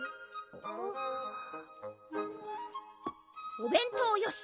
お弁当よし